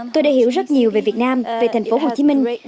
tôi đã hiểu rất nhiều về việt nam về thành phố hồ chí minh